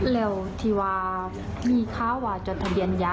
และถ้าว่ามีข้าวว่าจดทะเบียนยา